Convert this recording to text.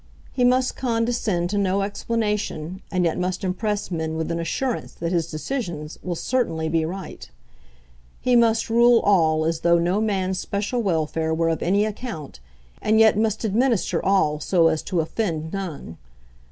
He must condescend to no explanation, and yet must impress men with an assurance that his decisions will certainly be right. He must rule all as though no man's special welfare were of any account, and yet must administer all so as to offend none.